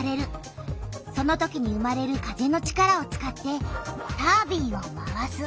そのときに生まれる風の力を使ってタービンを回す。